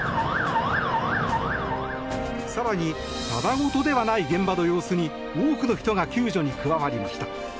更に、ただ事ではない現場の様子に多くの人が救助に加わりました。